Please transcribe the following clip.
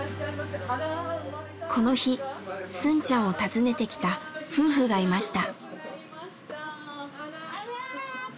この日スンちゃんを訪ねてきた夫婦がいました。